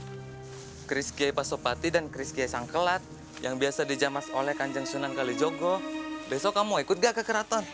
ibu kris kiai pasopati dan kris kiai sengkelat yang biasa dijamas oleh kanjeng sunan kalijogo besok kamu ikut gak ke keraton